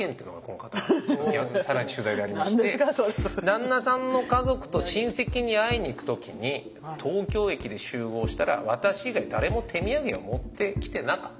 旦那さんの家族と親戚に会いにいく時に東京駅で集合したら私以外誰も手土産を持ってきてなかったと。